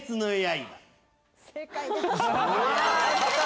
正解です。